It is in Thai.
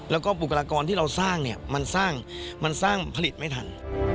แล้วก็ปรุกรากรที่เราสร้างมันสร้างผลิตไม่ทัน